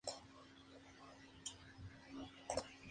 El Flash-Reverso no ha aparecido en ninguna adaptación fílmica.